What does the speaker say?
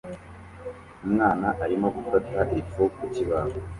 Umwana arimo gufata ifu ku kibaho